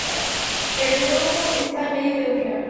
El aeródromo está en medio de un pinar.